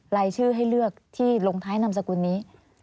รายชื่อให้เลือกที่ลงท้ายนามสกุลนี้